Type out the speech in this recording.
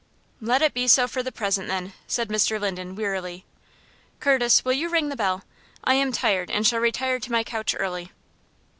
"Let it be so for the present, then," said Mr. Linden, wearily. "Curtis, will you ring the bell? I am tired, and shall retire to my couch early."